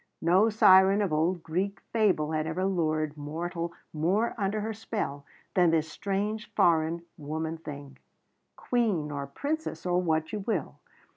No siren of old Greek fable had ever lured mortal more under her spell than this strange foreign woman thing Queen or Princess or what you will.